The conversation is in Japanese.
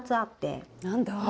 何だ？